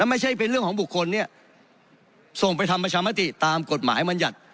ไม่ใช่เป็นเรื่องของบุคคลเนี่ยส่งไปทำประชามติตามกฎหมายมัญญัติ